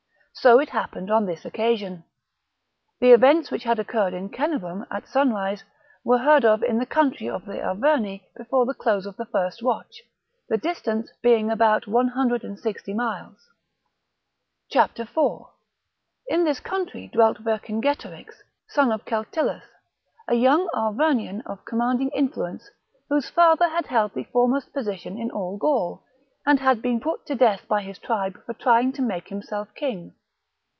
^ So it happened on this occasion. The events which had occurred at Cenabum at sunrise were heard of in the country of the Arverni before the close of the first watch, the distance being about one hundred and sixty miles. 4. In this country dwelt Vercingetorix, son of vercinge A • r ^•' n torix arouses Celtillus, a young Arvernian of commandmg mflu the Arverni, ence, whose father had held the foremost position numerous in all Gaul, and had been put to death by his is elected tribe for trying to make himself king.